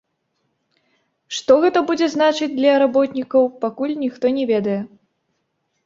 Што гэта будзе значыць для работнікаў, пакуль ніхто не ведае.